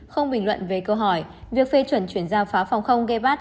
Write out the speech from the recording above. không bình luận về câu hỏi việc phê chuẩn chuyển giao pháo phòng không gepard